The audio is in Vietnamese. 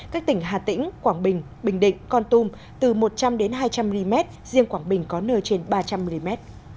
các tỉnh hà tĩnh quảng bình bình định con tum từ một trăm linh hai trăm linh mm riêng quảng bình có nơi trên ba trăm linh mm